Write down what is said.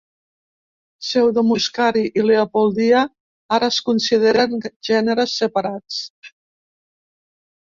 "Pseudomuscari" i "Leopoldia" ara es consideren gèneres separats.